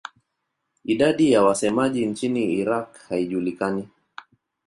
Idadi ya wasemaji nchini Iraq haijulikani.